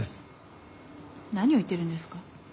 何を言ってるんですか？